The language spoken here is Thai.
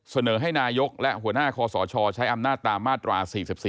เสนอให้นายกและหัวหน้าคอสชใช้อำนาจตามมาตรา๔๔